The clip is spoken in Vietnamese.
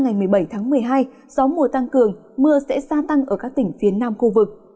chiều tối và đêm ngày một mươi sáu một mươi bảy một mươi hai gió mùa tăng cường mưa sẽ sa tăng ở các tỉnh phía nam khu vực